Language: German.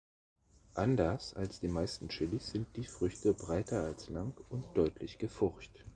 Anders als die meisten Chilis sind die Früchte breiter als lang und deutlich gefurcht.